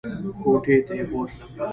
کوټې ته یې بوتلم !